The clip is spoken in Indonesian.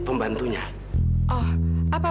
pembantunya oh apa